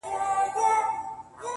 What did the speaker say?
یوه شېبه چي دي نقاب سي د خمارو سترګو،